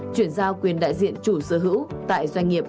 chuyển giao quyền đại diện chủ sở hữu tại doanh nghiệp